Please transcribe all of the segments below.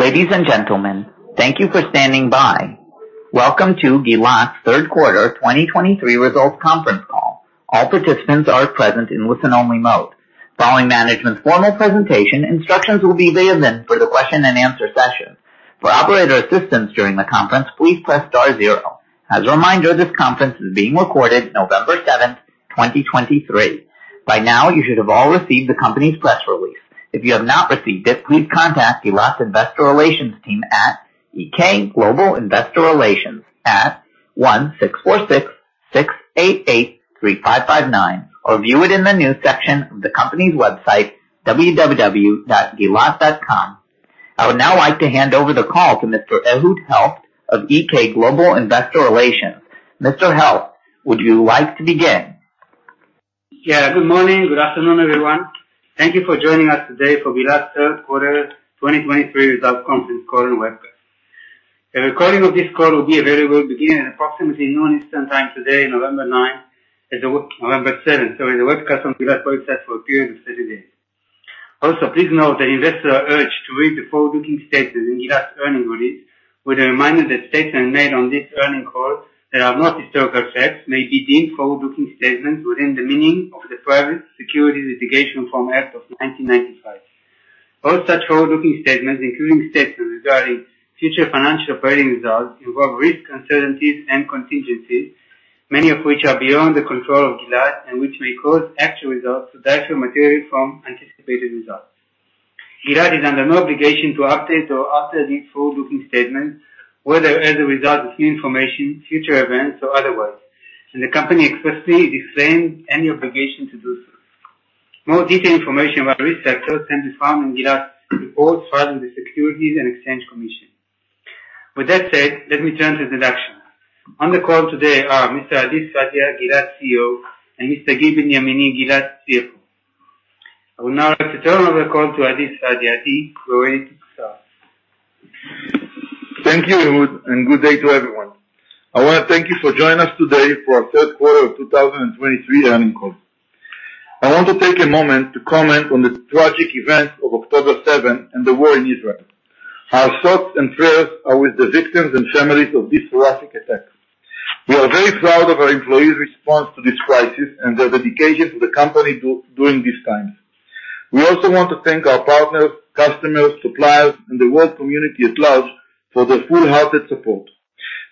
Ladies and gentlemen, thank you for standing by. Welcome to Gilat's third quarter 2023 results conference call. All participants are present in listen-only mode. Following management's formal presentation, instructions will be given for the question and answer session. For operator assistance during the conference, please press star zero. As a reminder, this conference is being recorded, November 7, 2023. By now, you should have all received the company's press release. If you have not received it, please contact Gilat's Investor Relations team at GK Global Investor Relations at 1-646-688-3599, or view it in the News section of the company's website, www.gilat.com. I would now like to hand over the call to Mr. Ehud Helft of GK Global Investor Relations. Mr. Helft, would you like to begin? Yeah. Good morning. Good afternoon, everyone. Thank you for joining us today for Gilat's third quarter 2023 results conference call and webcast. A recording of this call will be available beginning at approximately noon Eastern Time today, November nine... November seventh, so in the webcast on Gilat website for a period of 30 days. Also, please note that investors are urged to read the forward-looking statements in Gilat's earnings release, with a reminder that statements made on this earnings call that are not historical facts may be deemed forward-looking statements within the meaning of the Private Securities Litigation Reform Act of 1995. All such forward-looking statements, including statements regarding future financial operating results, involve risks, uncertainties, and contingencies, many of which are beyond the control of Gilat and which may cause actual results to differ materially from anticipated results. Gilat is under no obligation to update or alter these forward-looking statements, whether as a result of new information, future events, or otherwise, and the company expressly disclaims any obligation to do so. More detailed information about risk factors can be found in Gilat's reports filed with the Securities and Exchange Commission. With that said, let me turn to introduction. On the call today are Mr. Adi Sfadia, Gilat CEO, and Mr. Gil Benyamini, Gilat CFO. I would now like to turn over the call to Adi Sfadia. Adi, go ahead, sir. Thank you, Ehud, and good day to everyone. I want to thank you for joining us today for our third quarter of 2023 earnings call. I want to take a moment to comment on the tragic events of October 7 and the war in Israel. Our thoughts and prayers are with the victims and families of this horrific attack. We are very proud of our employees' response to this crisis and their dedication to the company during this time. We also want to thank our partners, customers, suppliers, and the world community at large for their full-hearted support.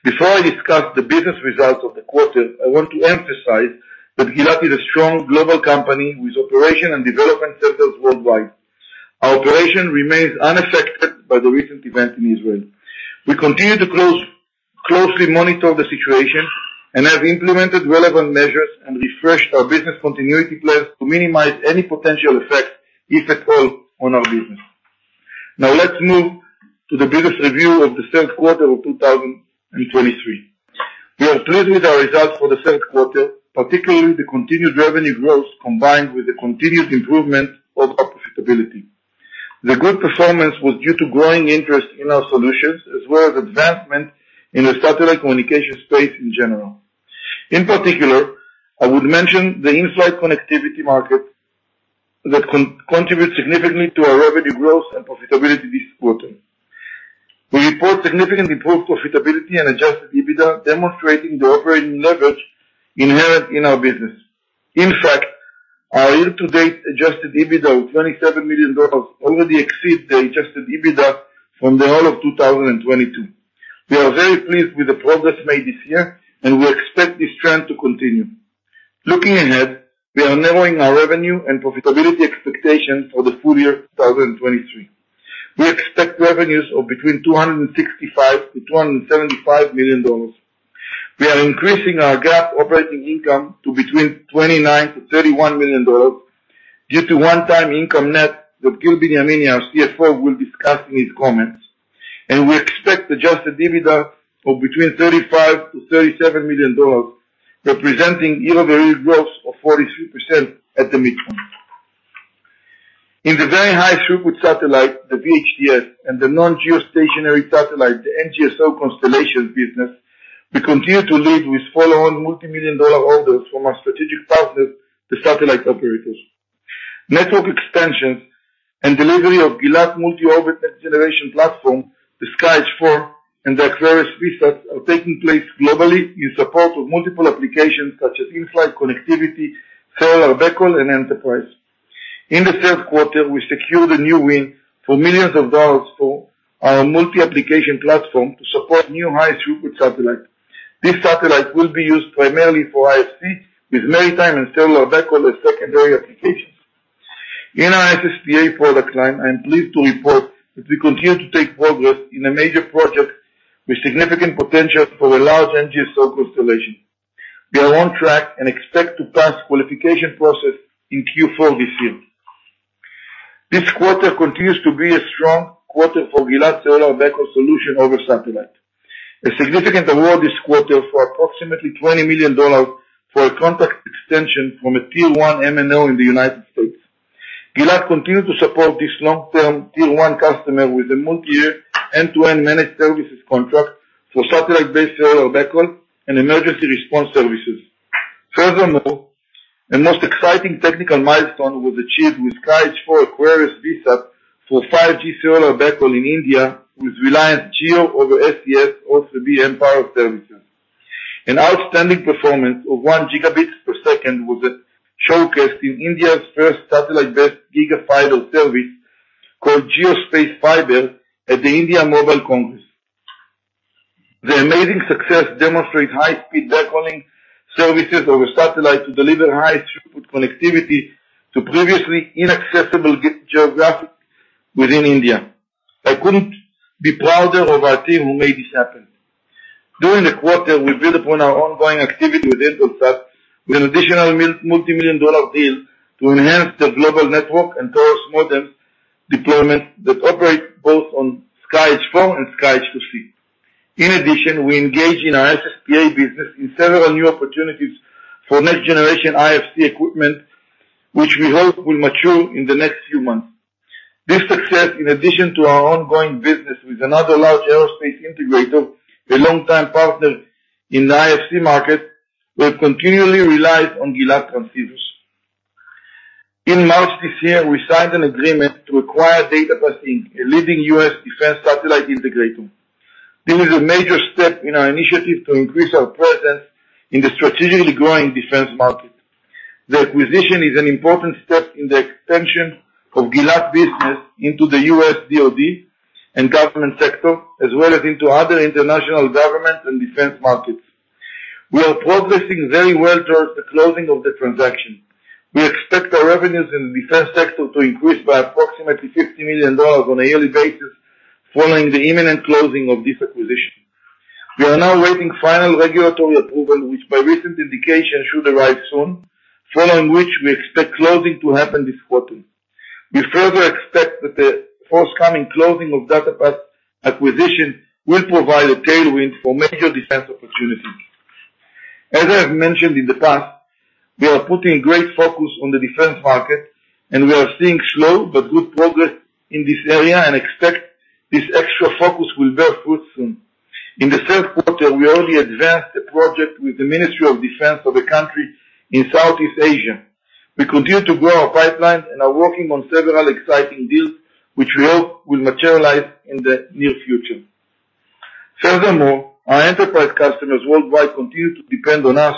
Before I discuss the business results of the quarter, I want to emphasize that Gilat is a strong global company with operation and development centers worldwide. Our operation remains unaffected by the recent events in Israel. We continue to closely monitor the situation and have implemented relevant measures and refreshed our business continuity plans to minimize any potential effects, if at all, on our business. Now, let's move to the business review of the third quarter of 2023. We are pleased with our results for the third quarter, particularly the continued revenue growth, combined with the continued improvement of our profitability. The good performance was due to growing interest in our solutions, as well as advancement in the satellite communication space in general. In particular, I would mention the in-flight connectivity market that contributed significantly to our revenue growth and profitability this quarter. We report significantly improved profitability and Adjusted EBITDA, demonstrating the operating leverage inherent in our business. In fact, our year-to-date adjusted EBITDA of $27 million already exceeds the adjusted EBITDA from the whole of 2022. We are very pleased with the progress made this year, and we expect this trend to continue. Looking ahead, we are narrowing our revenue and profitability expectations for the full year 2023. We expect revenues of between $265 million-$275 million. We are increasing our GAAP operating income to between $29 million-$31 million due to one-time income net that Gil Benyamini, our CFO, will discuss in his comments. And we expect adjusted EBITDA of between $35 million-$37 million, representing year-over-year growth of 43% at the midpoint. In the very high throughput satellite, the VHTS, and the non-geostationary satellite, the NGSO constellation business, we continue to lead with follow-on multimillion-dollar orders from our strategic partners, the satellite operators. Network extensions and delivery of Gilat multi-orbit acceleration platform, the SkyEdge IV, and their various VSATs are taking place globally in support of multiple applications such as in-flight connectivity, cellular backhaul, and enterprise. In the third quarter, we secured a new win for dollar millions for our multi-application platform to support new high-throughput satellite. This satellite will be used primarily for IFC, with maritime and cellular backhaul as secondary applications. In our SSPA product line, I am pleased to report that we continue to take progress in a major project with significant potential for a large NGSO constellation. We are on track and expect to pass qualification process in Q4 this year. This quarter continues to be a strong quarter for Gilat cellular backhaul solution over satellite. A significant award this quarter for approximately $20 million for a contract extension from a tier one MNO in the United States. Gilat continued to support this long-term tier one customer with a multi-year, end-to-end managed services contract for satellite-based cellular backhaul and emergency response services... Furthermore, a most exciting technical milestone was achieved with SkyEdge IV Aquarius VSAT for 5G cellular backhaul in India, with Reliance Jio over SES O3b mPOWER services. An outstanding performance of 1 gigabit per second was showcased in India's first satellite-based gigafiber service, called JioSpace Fiber, at the India Mobile Congress. The amazing success demonstrates high-speed backhauling services over satellite to deliver high throughput connectivity to previously inaccessible geographic within India. I couldn't be prouder of our team who made this happen. During the quarter, we built upon our ongoing activity with Intelsat, with an additional multimillion-dollar deal to enhance their global network and Taurus modem deployment that operates both on SkyEdge IV and SkyEdge II-c. In addition, we engaged in our SSPA business in several new opportunities for next-generation IFC equipment, which we hope will mature in the next few months. This success, in addition to our ongoing business with another large aerospace integrator, a long-time partner in the IFC market, will continually rely on Gilat transceivers. In March this year, we signed an agreement to acquire DataPath Inc., a leading U.S. defense satellite integrator. This is a major step in our initiative to increase our presence in the strategically growing defense market. The acquisition is an important step in the extension of Gilat business into the U.S. DoD and government sector, as well as into other international government and defense markets. We are progressing very well towards the closing of the transaction. We expect our revenues in the defense sector to increase by approximately $50 million on a yearly basis, following the imminent closing of this acquisition. We are now waiting final regulatory approval, which by recent indication, should arrive soon, following which we expect closing to happen this quarter. We further expect that the forthcoming closing of DataPath acquisition will provide a tailwind for major defense opportunities. As I have mentioned in the past, we are putting great focus on the defense market, and we are seeing slow but good progress in this area and expect this extra focus will bear fruit soon. In the third quarter, we already advanced a project with the Ministry of Defense of a country in Southeast Asia. We continue to grow our pipeline and are working on several exciting deals, which we hope will materialize in the near future. Furthermore, our enterprise customers worldwide continue to depend on us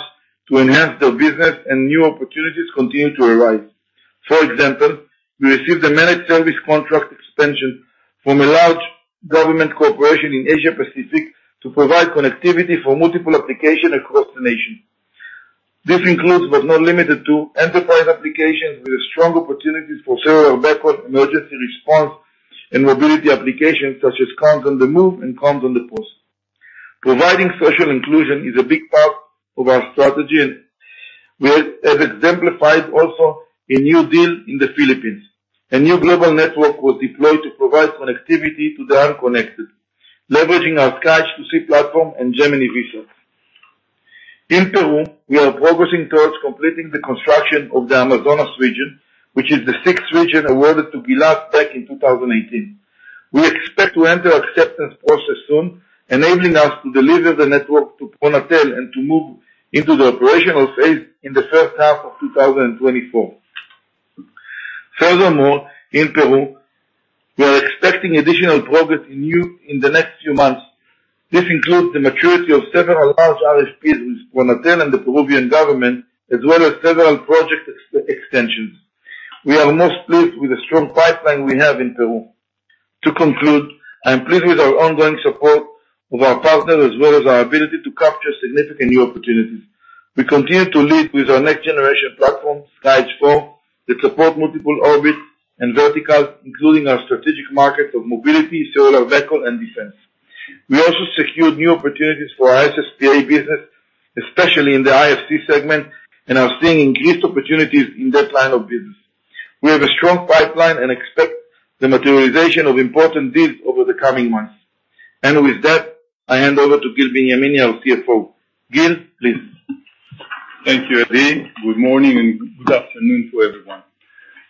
to enhance their business, and new opportunities continue to arise. For example, we received a managed service contract extension from a large government corporation in Asia Pacific to provide connectivity for multiple applications across the nation. This includes, but not limited to, enterprise applications with strong opportunities for several backhaul emergency response and mobility applications such as comms on the move and comms on the pause. Providing social inclusion is a big part of our strategy, and we have exemplified also a new deal in the Philippines. A new global network was deployed to provide connectivity to the unconnected, leveraging our SkyEdge II-c platform and Gemini VSAT. In Peru, we are progressing towards completing the construction of the Amazonas region, which is the sixth region awarded to Gilat back in 2018. We expect to enter our acceptance process soon, enabling us to deliver the network to Pronatel and to move into the operational phase in the first half of 2024. Furthermore, in Peru, we are expecting additional progress in the next few months. This includes the maturity of several large RFPs with Pronatel and the Peruvian government, as well as several project extensions. We are most pleased with the strong pipeline we have in Peru. To conclude, I am pleased with our ongoing support of our partners, as well as our ability to capture significant new opportunities. We continue to lead with our next-generation platform, SkyEdge IV, that support multiple orbits and verticals, including our strategic market of mobility, solar, vehicle, and defense. We also secured new opportunities for our SSPA business, especially in the IFC segment, and are seeing increased opportunities in that line of business. We have a strong pipeline and expect the materialization of important deals over the coming months. And with that, I hand over to Gil Benyamini, our CFO. Gil, please. Thank you, Adi. Good morning and good afternoon to everyone.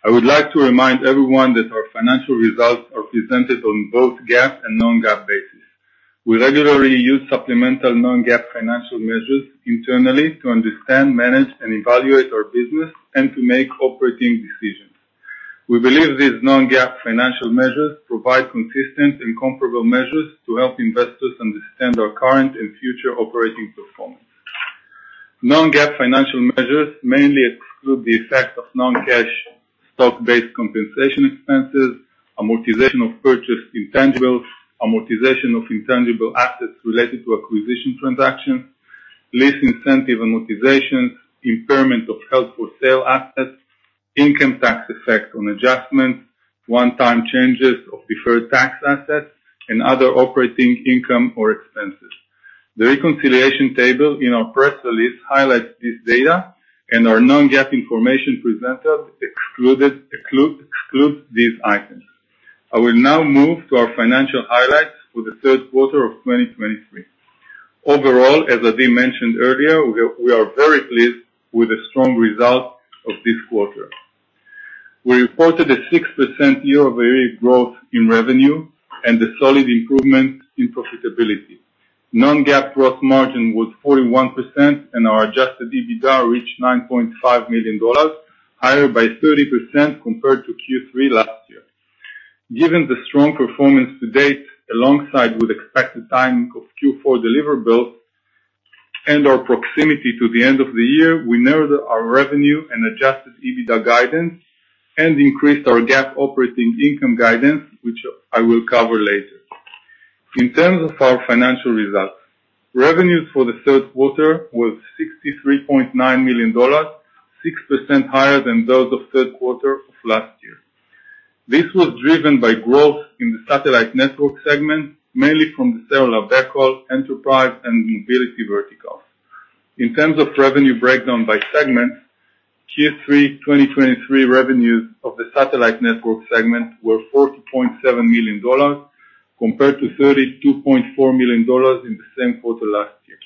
I would like to remind everyone that our financial results are presented on both GAAP and non-GAAP basis. We regularly use supplemental non-GAAP financial measures internally to understand, manage, and evaluate our business and to make operating decisions. We believe these non-GAAP financial measures provide consistent and comparable measures to help investors understand our current and future operating performance. Non-GAAP financial measures mainly exclude the effect of non-cash stock-based compensation expenses, amortization of purchased intangibles, amortization of intangible assets related to acquisition transactions, lease incentive amortization, impairment of held-for-sale assets, income tax effect on adjustments, one-time changes of deferred tax assets, and other operating income or expenses. The reconciliation table in our press release highlights this data, and our non-GAAP information presented excluded, exclude, excludes these items. I will now move to our financial highlights for the third quarter of 2023. Overall, as Adi mentioned earlier, we are very pleased with the strong results of this quarter.... We reported a 6% year-over-year growth in revenue and a solid improvement in profitability. Non-GAAP gross margin was 41%, and our Adjusted EBITDA reached $9.5 million, higher by 30% compared to Q3 last year. Given the strong performance to date, alongside with expected timing of Q4 deliverables and our proximity to the end of the year, we narrowed our revenue and Adjusted EBITDA guidance and increased our GAAP operating income guidance, which I will cover later. In terms of our financial results, revenues for the third quarter were $63.9 million, 6% higher than those of third quarter of last year. This was driven by growth in the satellite network segment, mainly from the cellular backhaul, enterprise, and mobility verticals. In terms of revenue breakdown by segment, Q3 2023 revenues of the satellite network segment were $40.7 million, compared to $32.4 million in the same quarter last year.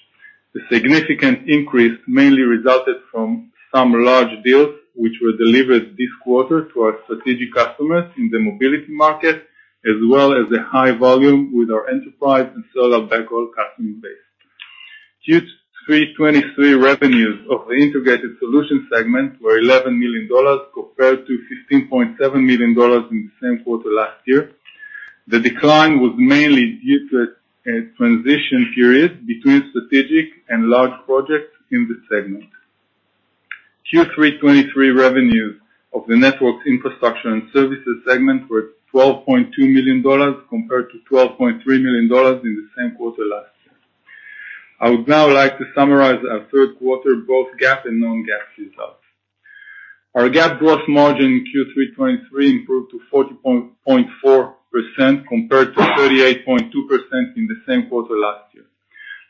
The significant increase mainly resulted from some large deals, which were delivered this quarter to our strategic customers in the mobility market, as well as the high volume with our enterprise and cellular backhaul customer base. Q3 2023 revenues of the integrated solutions segment were $11 million, compared to $15.7 million in the same quarter last year. The decline was mainly due to a transition period between strategic and large projects in the segment. Q3 2023 revenues of the networks infrastructure and services segment were $12.2 million, compared to $12.3 million in the same quarter last year. I would now like to summarize our third quarter, both GAAP and non-GAAP results. Our GAAP gross margin in Q3 2023 improved to 40.4%, compared to 38.2% in the same quarter last year.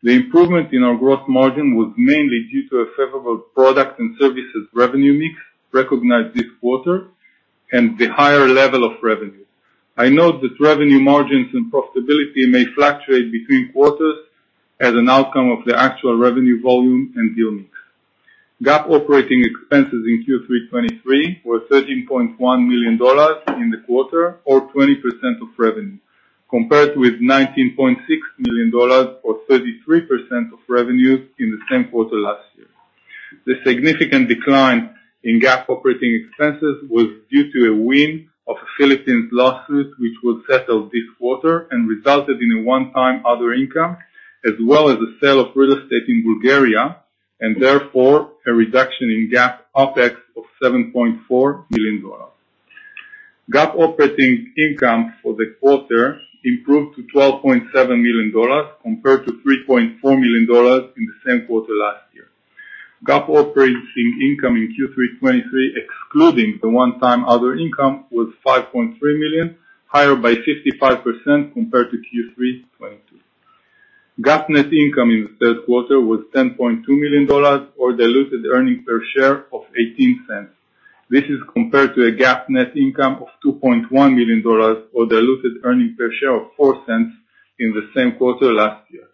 The improvement in our gross margin was mainly due to a favorable product and services revenue mix recognized this quarter and the higher level of revenue. I note that revenue margins and profitability may fluctuate between quarters as an outcome of the actual revenue volume and deal mix. GAAP operating expenses in Q3 2023 were $13.1 million in the quarter, or 20% of revenue, compared with $19.6 million, or 33% of revenue in the same quarter last year. The significant decline in GAAP operating expenses was due to a win of a Philippines lawsuit, which was settled this quarter and resulted in a one-time other income, as well as the sale of real estate in Bulgaria, and therefore a reduction in GAAP OpEx of $7.4 million. GAAP operating income for the quarter improved to $12.7 million, compared to $3.4 million in the same quarter last year. GAAP operating income in Q3 2023, excluding the one-time other income, was $5.3 million, higher by 55% compared to Q3 2022. GAAP net income in the third quarter was $10.2 million, or diluted earnings per share of $0.18. This is compared to a GAAP net income of $2.1 million, or diluted earnings per share of $0.04 in the same quarter last year.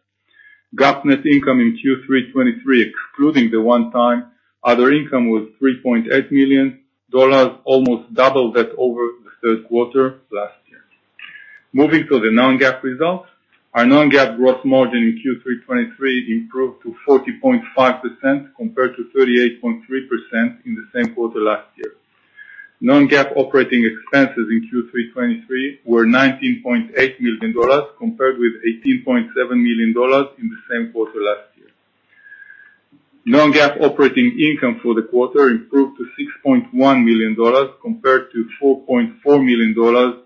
GAAP net income in Q3 2023, excluding the one-time other income, was $3.8 million, almost double that over the third quarter last year. Moving to the non-GAAP results. Our non-GAAP gross margin in Q3 2023 improved to 40.5%, compared to 38.3% in the same quarter last year. Non-GAAP operating expenses in Q3 2023 were $19.8 million, compared with $18.7 million in the same quarter last year. Non-GAAP operating income for the quarter improved to $6.1 million, compared to $4.4 million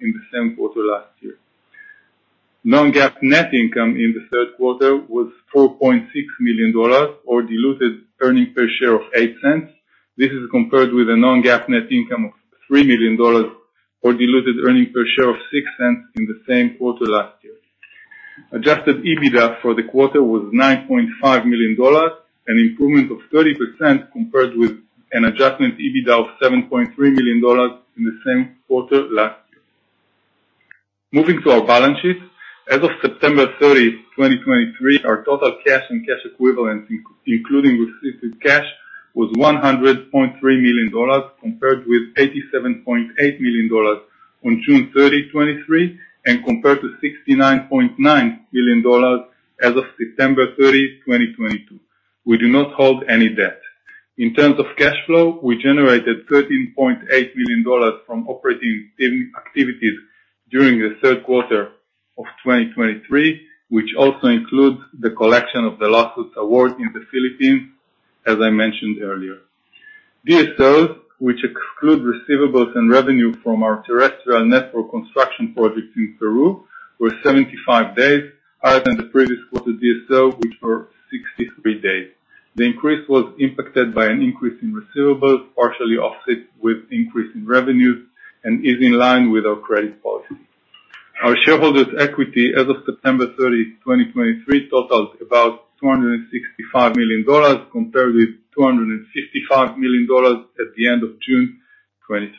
in the same quarter last year. Non-GAAP net income in the third quarter was $4.6 million, or diluted earnings per share of $0.08. This is compared with a non-GAAP net income of $3 million, or diluted earnings per share of $0.06 in the same quarter last year. Adjusted EBITDA for the quarter was $9.5 million, an improvement of 30%, compared with an adjusted EBITDA of $7.3 million in the same quarter last year. Moving to our balance sheet. As of September 30, 2023, our total cash and cash equivalents, including restricted cash, was $100.3 million, compared with $87.8 million on June 30, 2023, and compared to $69.9 million as of September 30, 2022. We do not hold any debt. In terms of cash flow, we generated $13.8 million from operating activities during the third quarter of 2023, which also includes the collection of the lawsuit award in the Philippines, as I mentioned earlier. DSOs, which exclude receivables and revenue from our terrestrial network construction projects in Peru, were 75 days, higher than the previous quarter DSO, which were 63 days. The increase was impacted by an increase in receivables, partially offset with increase in revenues, and is in line with our credit policy. Our shareholders' equity as of September 30, 2023, totals about $265 million, compared with $255 million at the end of June 2023.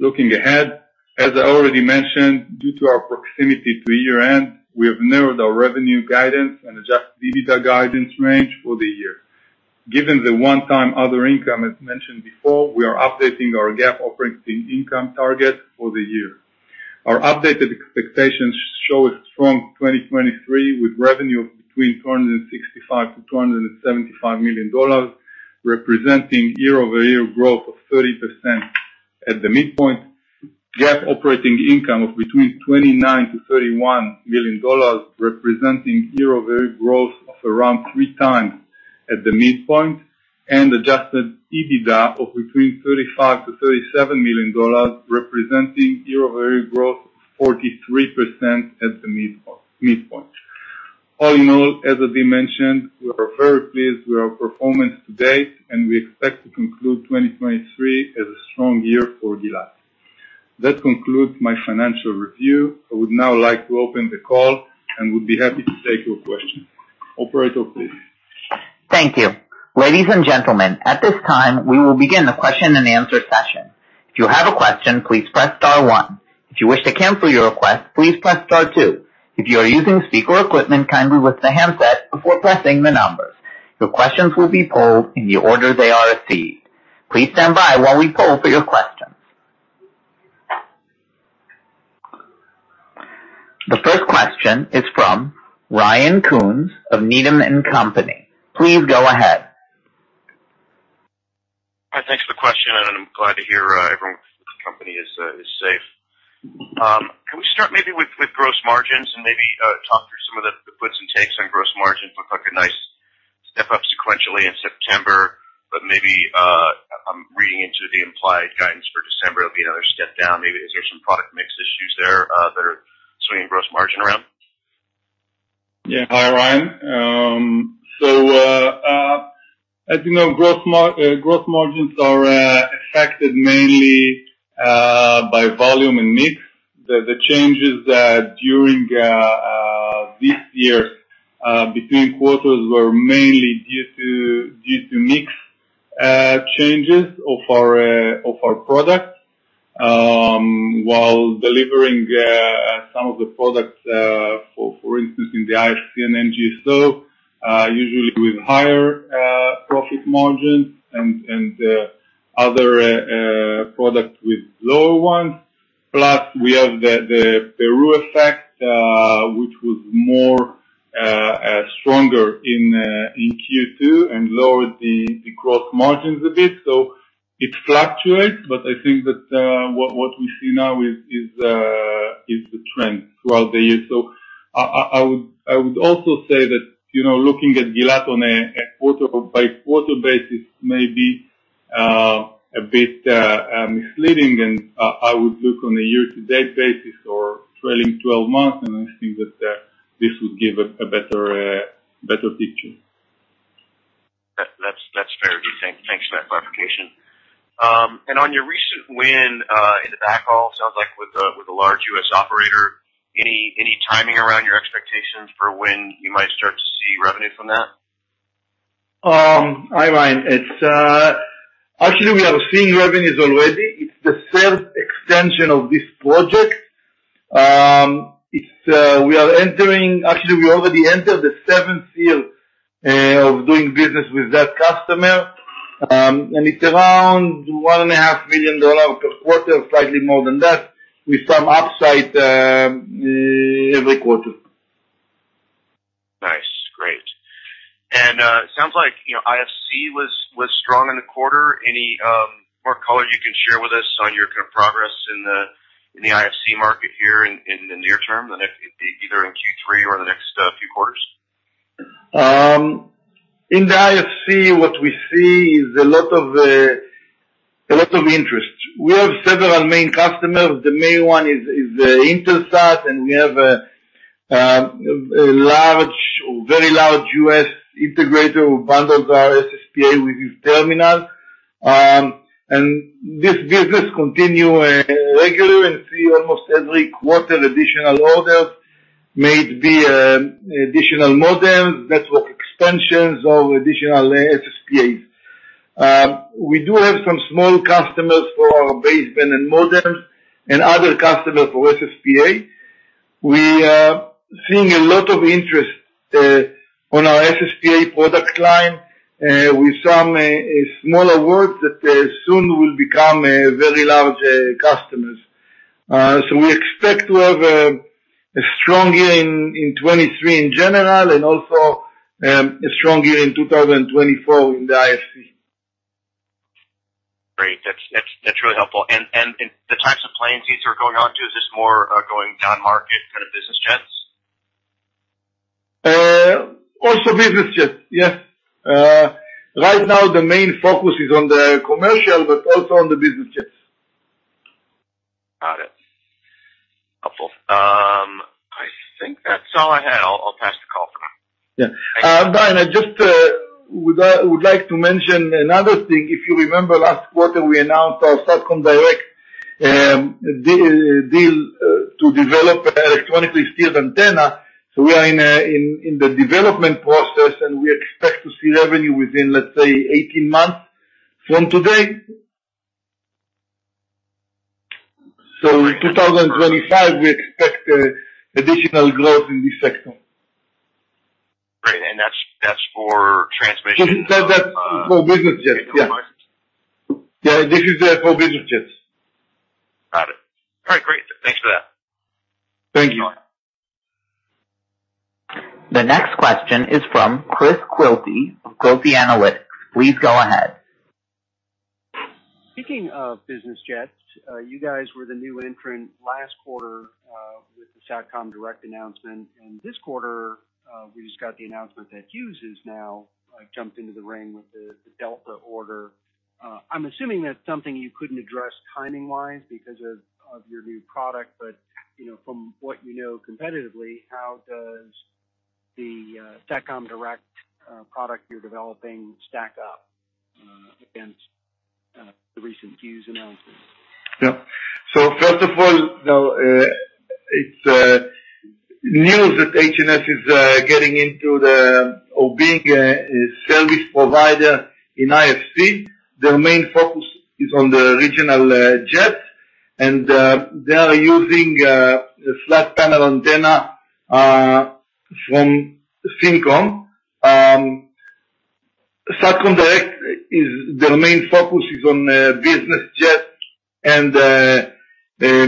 Looking ahead, as I already mentioned, due to our proximity to year-end, we have narrowed our revenue guidance and adjusted EBITDA guidance range for the year.... Given the one-time other income, as mentioned before, we are updating our GAAP operating income target for the year. Our updated expectations show a strong 2023, with revenue of between $265 million-$275 million, representing year-over-year growth of 30% at the midpoint. GAAP operating income of between $29 million-$31 million, representing year-over-year growth of around 3x at the midpoint, and adjusted EBITDA of between $35 million-$37 million, representing year-over-year growth of 43% at the midpoint. All in all, as Adi mentioned, we are very pleased with our performance to date, and we expect to conclude 2023 as a strong year for Gilat. That concludes my financial review. I would now like to open the call and would be happy to take your questions. Operator, please. Thank you. Ladies and gentlemen, at this time, we will begin the question-and-answer session. If you have a question, please press star one. If you wish to cancel your request, please press star two. If you are using speaker equipment, kindly lift the handset before pressing the numbers. Your questions will be polled in the order they are received. Please stand by while we poll for your questions. The first question is from Ryan Koontz of Needham & Company. Please go ahead. Hi, thanks for the question, and I'm glad to hear everyone from the company is safe. Can we start maybe with gross margins and maybe talk through some of the puts and takes on gross margins? Looks like a nice step up sequentially in September, but maybe I'm reading into the implied guidance for December; it'll be another step down. Maybe is there some product mix issues there that are swinging gross margin around? Yeah. Hi, Ryan. So, as you know, gross margins are affected mainly by volume and mix. The changes during this year between quarters were mainly due to mix changes of our products. While delivering some of the products, for instance, in the IFC and NGSO, usually with higher profit margins and other products with lower ones. Plus, we have the Peru effect, which was more stronger in Q2 and lowered the gross margins a bit, so it fluctuates, but I think that what we see now is the trend throughout the year. So I would also say that, you know, looking at Gilat on a quarter-by-quarter basis may be a bit misleading, and I would look on a year-to-date basis or trailing 12 months, and I think that this would give a better picture. That's fair. Thanks for that clarification. And on your recent win in the backhaul, sounds like with a large U.S. operator, any timing around your expectations for when you might start to see revenue from that? Hi, Ryan. It's... Actually, we are seeing revenues already. It's the third extension of this project. It's, we are entering-- Actually, we already entered the seventh year, of doing business with that customer, and it's around $1.5 million per quarter, slightly more than that, with some upside, every quarter. Nice. Great. And sounds like, you know, IFC was strong in the quarter. Any more color you can share with us on your kind of progress in the IFC market here in the near term, the next, either in Q3 or in the next few quarters? In the IFC, what we see is a lot of interest. We have several main customers. The main one is Intelsat, and we have a large, very large U.S. integrator who bundles our SSPA with his terminals. And this business continue regular and see almost every quarter additional orders, may it be additional modems, network extensions or additional SSPAs. We do have some small customers for our baseband and modems and other customers for SSPA. We are seeing a lot of interest on our SSPA product line with some smaller works that soon will become very large customers. So we expect to have a strong year in 2023 in general and also a strong year in 2024 in the IFC. Great. That's really helpful. And in the types of planes these are going on to, is this more going down-market kind of business jets? Also, business jets, yes. Right now, the main focus is on the commercial, but also on the business jets. Got it. Helpful. I think that's all I had. I'll pass the call through. Yeah. Ryan, I just would like to mention another thing. If you remember last quarter, we announced our SATCOM Direct deal to develop an electronically steered antenna. So we are in the development process, and we expect to see revenue within, let's say, 18 months from today.... So in 2025, we expect additional growth in this section. Great. And that's, that's for transmission- So that's for business jets, yeah. Yeah, this is for business jets. Got it. All right, great. Thanks for that. Thank you. The next question is from Chris Quilty of Quilty Analytics. Please go ahead. Speaking of business jets, you guys were the new entrant last quarter, with the SATCOM Direct announcement. And this quarter, we just got the announcement that Hughes is now, jumped into the ring with the, the Delta order. I'm assuming that's something you couldn't address timing-wise because of, of your new product, but, you know, from what you know competitively, how does the, SATCOM Direct, product you're developing stack up, against, the recent Hughes announcement? Yeah. So first of all, now, it's news that HNS is getting into the airborne service provider in IFC. Their main focus is on the regional jets, and they are using a flat panel antenna from ThinKom. SATCOM Direct. Their main focus is on business jets and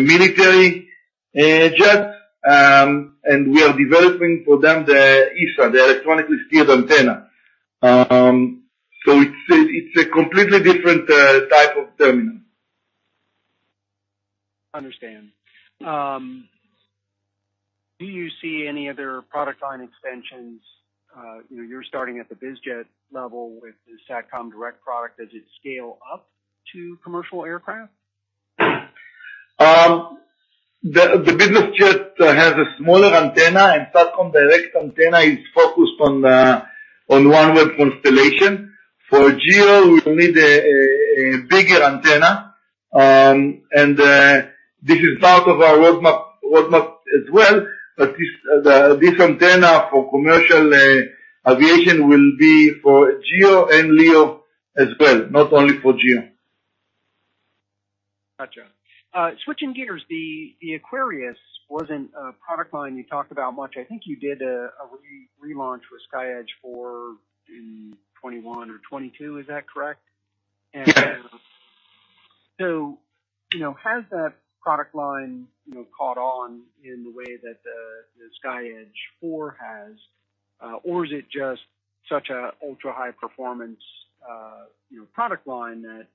military jets. And we are developing for them the ESA, the electronically steered antenna. So it's a completely different type of terminal. Understand. Do you see any other product line extensions? You know, you're starting at the biz jet level with the SATCOM Direct product. Does it scale up to commercial aircraft? The business jet has a smaller antenna, and SATCOM Direct antenna is focused on OneWeb constellation. For GEO, we will need a bigger antenna, and this is part of our roadmap as well, but this antenna for commercial aviation will be for GEO and LEO as well, not only for GEO. Gotcha. Switching gears, the Aquarius wasn't a product line you talked about much. I think you did a relaunch with SkyEdge for in 2021 or 2022. Is that correct? Yes. And so, you know, has that product line, you know, caught on in the way that the SkyEdge IV has? Or is it just such an ultra-high-performance, you know, product line that,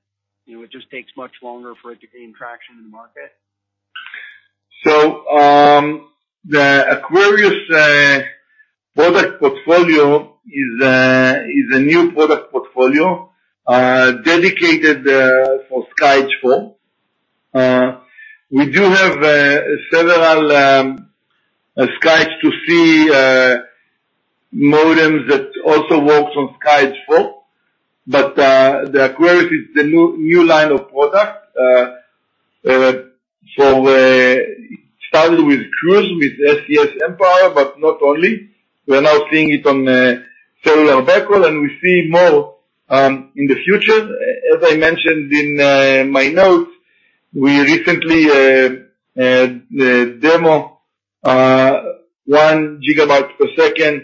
you know, it just takes much longer for it to gain traction in the market? So, the Aquarius product portfolio is a new product portfolio dedicated for SkyEdge IV. We do have several SkyEdge IV modems that also works on SkyEdge IV, but the Aquarius is the new line of product. So, it started with cruises, with SES mPOWER, but not only. We're now seeing it on cellular backhaul, and we see more in the future. As I mentioned in my notes, we recently demo 1 GB/s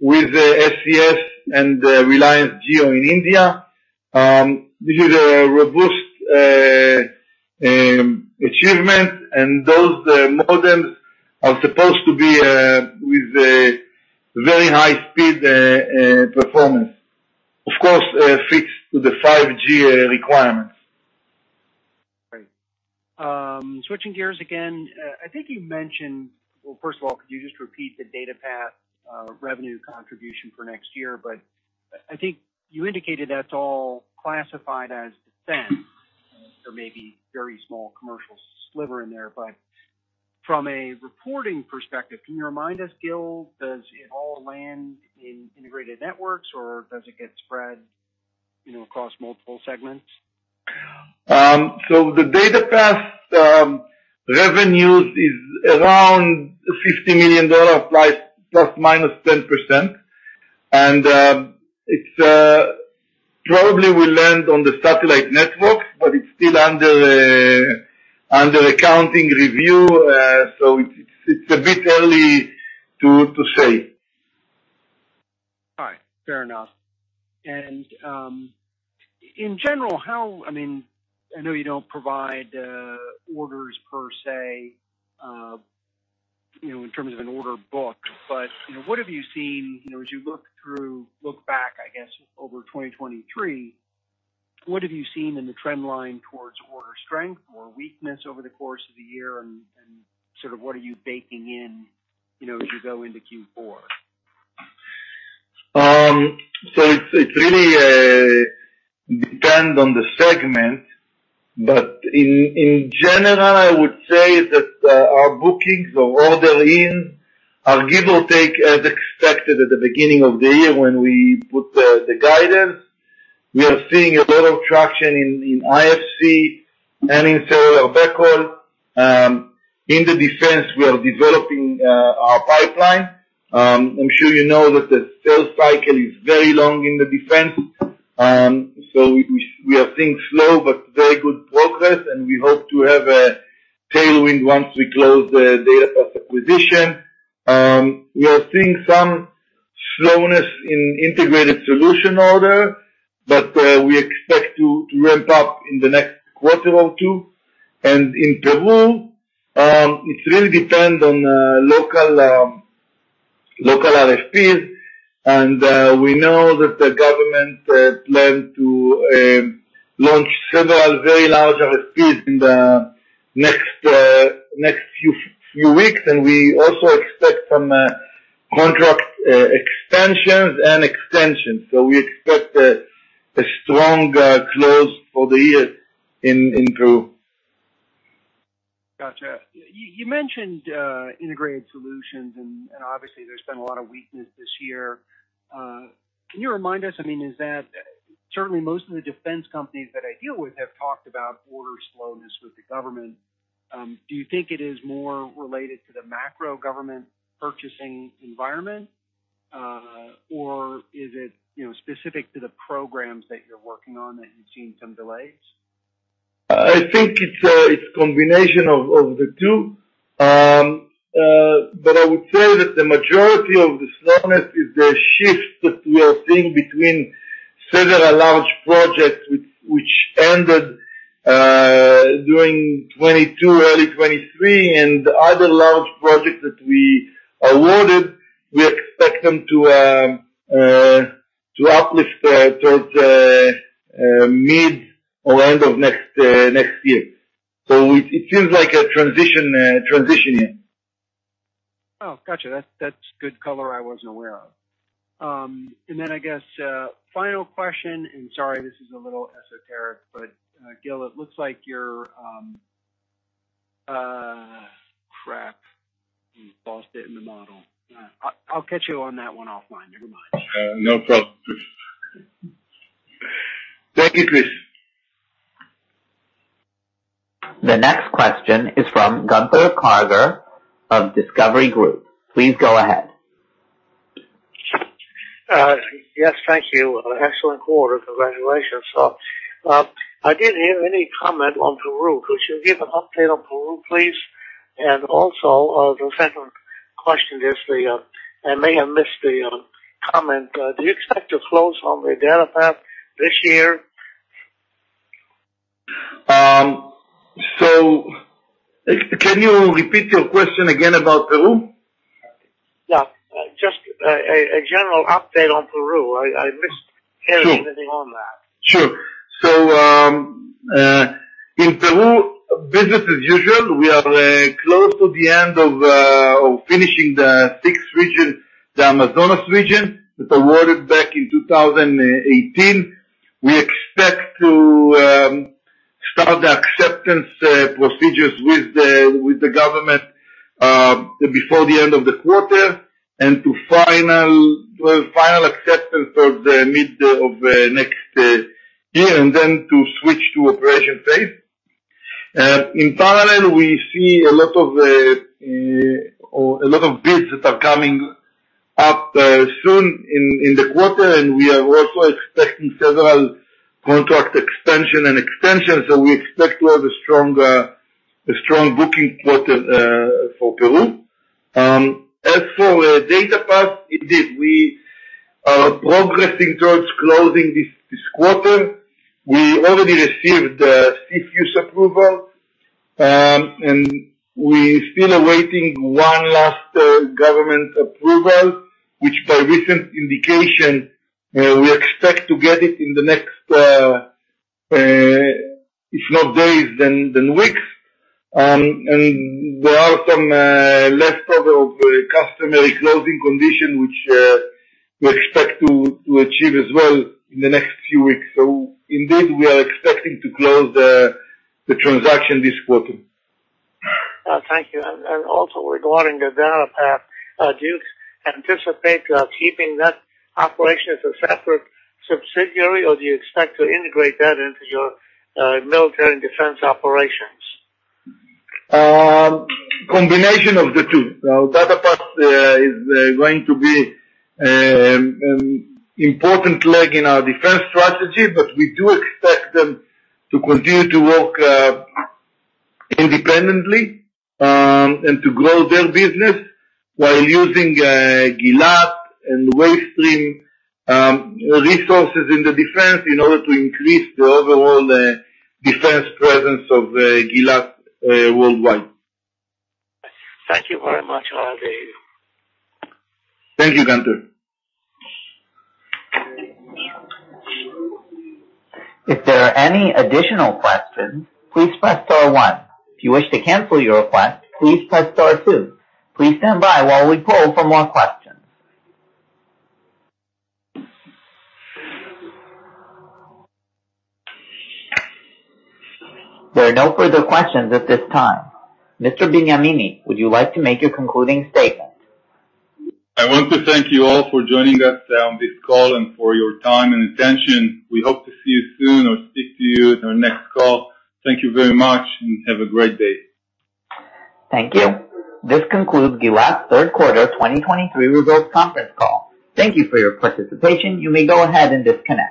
with the SES and the Reliance Jio in India. This is a robust achievement, and those modems are supposed to be with a very high speed performance. Of course, fits to the 5G requirements. Right. Switching gears again. I think you mentioned... Well, first of all, could you just repeat the DataPath, revenue contribution for next year? But I think you indicated that's all classified as defense. There may be very small commercial sliver in there, but from a reporting perspective, can you remind us, Gil, does it all land in integrated networks, or does it get spread, you know, across multiple segments? So the DataPath revenues is around $50 million, like ±10%, and it's probably will land on the satellite networks, but it's still under accounting review. So it's a bit early to say. All right. Fair enough. And, in general, how... I mean, I know you don't provide, orders per se, you know, in terms of an order book, but, you know, what have you seen, you know, as you look through, look back, I guess, over 2023, what have you seen in the trend line towards order strength or weakness over the course of the year? And, and sort of what are you baking in, you know, as you go into Q4? So it really depends on the segment, but in general, I would say that our bookings and order intake are, give or take, as expected at the beginning of the year when we put the guidance. We are seeing a lot of traction in IFC and in cellular backhaul. In the defense, we are developing our pipeline. I'm sure you know that the sales cycle is very long in the defense. So we are seeing slow but very good progress, and we hope to have a tailwind once we close the DataPath acquisition. We are seeing some slowness in integrated solution orders, but we expect to ramp up in the next quarter or two. In Peru, it really depends on local RFPs, and we know that the government plans to launch several very large RFPs in the next few weeks, and we also expect some contract extensions. So we expect a strong close for the year in Peru. Gotcha. You mentioned integrated solutions, and obviously there's been a lot of weakness this year. Can you remind us? I mean, is that... Certainly, most of the defense companies that I deal with have talked about order slowness with the government. Do you think it is more related to the macro government purchasing environment, or is it, you know, specific to the programs that you're working on, that you've seen some delays? I think it's a combination of the two. But I would say that the majority of the slowness is the shift that we are seeing between several large projects which ended during 2022, early 2023, and the other large projects that we awarded, we expect them to uplift towards mid or end of next year. So it seems like a transition year. Oh, gotcha. That's, that's good color I wasn't aware of. And then I guess, final question, and sorry, this is a little esoteric, but, Gil, it looks like you're, crap, you've lost it in the model. I'll, I'll catch you on that one offline. Never mind. No problem. Thank you, Chris. The next question is from Gunther Karger of Discovery Group. Please go ahead. Yes, thank you. Excellent quarter. Congratulations. So, I didn't hear any comment on Peru. Could you give an update on Peru, please? And also, the second question is, I may have missed the comment. Do you expect to close on the DataPath this year? So, can you repeat your question again about Peru? Yeah. Just a general update on Peru. I missed- Sure. Hearing anything on that? Sure. So, in Peru, business as usual, we are close to the end of finishing the sixth region, the Amazonas region, that awarded back in 2018. We expect to start the acceptance procedures with the government before the end of the quarter, and to final, well, final acceptance by the mid of next year, and then to switch to operation phase. In parallel, we see a lot of other bids that are coming up soon in the quarter, and we are also expecting several contract extension and extensions, so we expect to have a strong, a strong booking quarter for Peru. As for DataPath, indeed, we are progressing towards closing this quarter. We already received CFIUS approval, and we still are waiting one last government approval, which by recent indication we expect to get it in the next, if not days, then weeks. There are some leftover of customary closing condition, which we expect to achieve as well in the next few weeks. So indeed, we are expecting to close the transaction this quarter. Thank you. And also regarding DataPath, do you anticipate keeping that operation as a separate subsidiary, or do you expect to integrate that into your military and defense operations? Combination of the two. Now, DataPath is going to be important leg in our defense strategy, but we do expect them to continue to work independently, and to grow their business while using Gilat and Wavestream resources in the defense in order to increase the overall defense presence of Gilat worldwide. Thank you very much, I'll leave. Thank you, Gunther. If there are any additional questions, please press star one. If you wish to cancel your request, please press star two. Please stand by while we poll for more questions. There are no further questions at this time. Mr. Benyamini, would you like to make your concluding statement? I want to thank you all for joining us on this call and for your time and attention. We hope to see you soon or speak to you in our next call. Thank you very much, and have a great day. Thank you. This concludes Gilat's third quarter, 2023 results conference call. Thank you for your participation. You may go ahead and disconnect.